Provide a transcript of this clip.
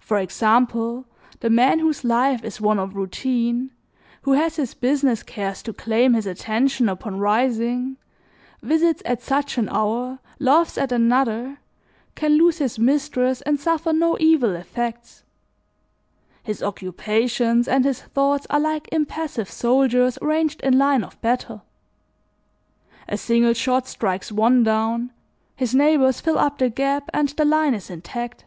For example, the man whose life is one of routine, who has his business cares to claim his attention upon rising, visits at such an hour, loves at another, can lose his mistress and suffer no evil effects. His occupations and his thoughts are like impassive soldiers ranged in line of battle; a single shot strikes one down, his neighbors fill up the gap and the line is intact.